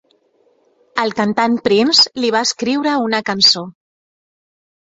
El cantant Prince li va escriure una cançó.